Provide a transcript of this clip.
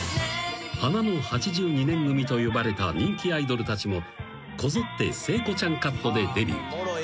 ［花の８２年組と呼ばれた人気アイドルたちもこぞって聖子ちゃんカットでデビュー］